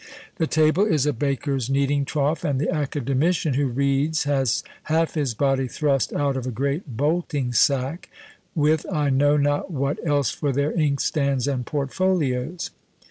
The table is a baker's kneading trough, and the academician who reads has half his body thrust out of a great bolting sack, with I know not what else for their inkstands and portfolios.